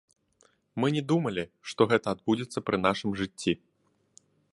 Мы не думалі, што гэта адбудзецца пры нашым жыцці.